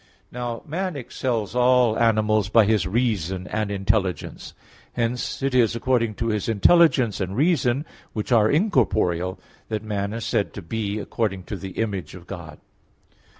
Now man excels all animals by his reason and intelligence; hence it is according to his intelligence and reason, which are incorporeal, that man is said to be according to the image of God.